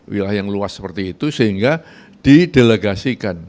wilayah yang luas seperti itu sehingga didelegasikan